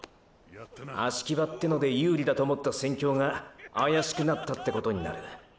葦木場ってので有利だと思った戦況があやしくなったってことになる。